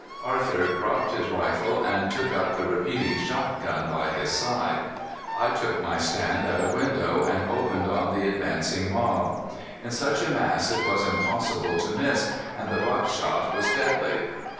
Arthur dropped his rifle and took up the repeating shotgun by his side. I took my stand at a window and opened on the advancing mob. In such a mass it was impossible to miss, and the buckshot was deadly.